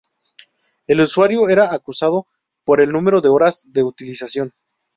El usuario era acusado por el número de horas de utilización.